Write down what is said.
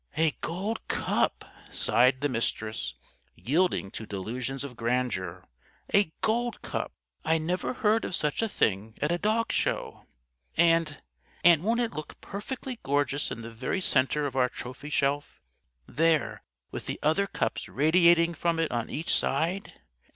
_" "A gold cup!" sighed the Mistress, yielding to Delusions of Grandeur, "A gold cup! I never heard of such a thing, at a dog show. And and won't it look perfectly gorgeous in the very center of our Trophy Shelf, there with the other cups radiating from it on each side?